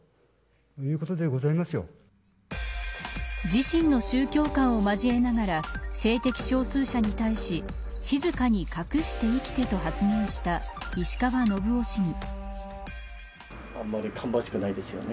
自身の宗教観を交えながら性的少数者に対し静かに隠して生きてと発言した石川信夫市議。